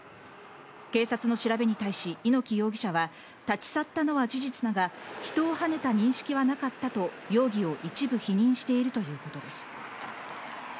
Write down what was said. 警察の調べに対し猪木容疑者は立ち去ったのは事実だが、人をはねた認識はなかったと容疑を一部否認しているということです。